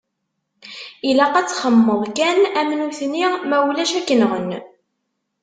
Ilaq ad txemmemeḍ kan am nutni ma ulac ad k-nɣen.